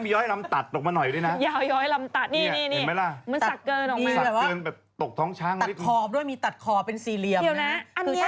มีย้อยลำตัดออกมาหน่อยดินะย้อยย้อยลำตัดนี่นี่นี่